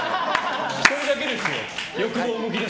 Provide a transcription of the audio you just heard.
１人だけですよ